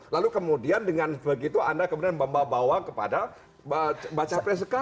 lalu kemudian dengan begitu anda kemudian membawa kepada baca preska